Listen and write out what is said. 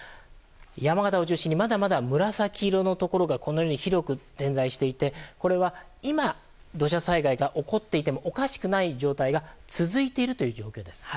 山形を中心にまだまだ紫色のところが広く点在していてこれは今土砂災害が起こっていてもおかしくない状態が続いているという状況です。